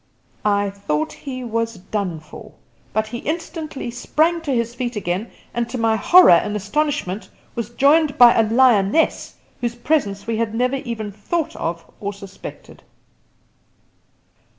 I thought he was done for, but he instantly sprang to his feet again, and to my horror and astonishment was joined by a lioness whose presence we had never even thought of or suspected.